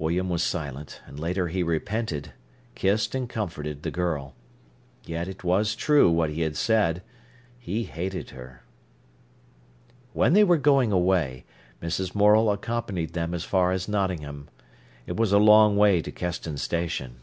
William was silent, and later he repented, kissed and comforted the girl. Yet it was true, what he had said. He hated her. When they were going away, Mrs. Morel accompanied them as far as Nottingham. It was a long way to Keston station.